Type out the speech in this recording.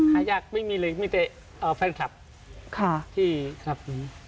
หายากไม่มีเลยมีแต่แฟนคลับที่สนับหุง